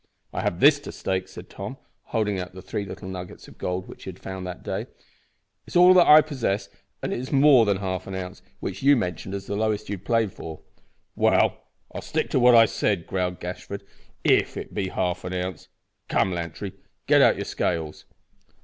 "I have this to stake," said Tom, holding out the three little nuggets of gold which he had found that day. "It is all that I possess, and it is more than half an ounce, which you mentioned as the lowest you'd play for." "Well, I'll stick to what I said," growled Gashford, "if it be half an ounce. Come, Lantry, get out your scales."